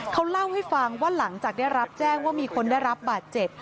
เขาเล่าให้ฟังว่าหลังจากได้รับแจ้งว่ามีคนได้รับบาดเจ็บ